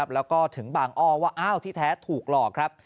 แล้วก็ถึงบางอ้อว่าอ้าวที่แท้ถูกหลอกครับ